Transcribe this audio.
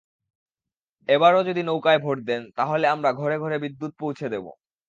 এবারও যদি নৌকায় ভোট দেন, তাহলে আমরা ঘরে ঘরে বিদ্যুত্ পৌঁছে দেব।